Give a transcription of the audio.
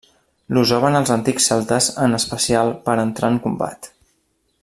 L'usaven els antics celtes en especial per a entrar en combat.